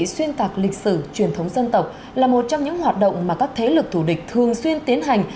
xuyên tạc lịch sử truyền thống dân tộc là một trong những hoạt động mà các thế lực thù địch thường xuyên tiến hành